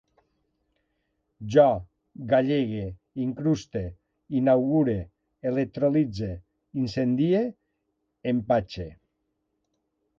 Jo gallege, incruste, inaugure, electrolitze, incendie, empatxe